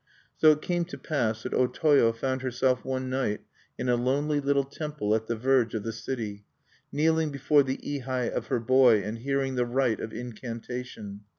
] So it came to pass that O Toyo found herself one night in a lonely little temple at the verge of the city, kneeling before the ihai of her boy, and hearing the rite of incantation.